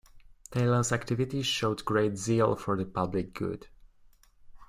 Talon's activity showed great zeal for the public good.